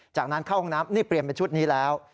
จากนั้นเข้าห้องน้ำนี่เปลี่ยนเป็นชุดนี้แล้ว